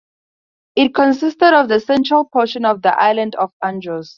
It consisted of the central portion of the island of Andros.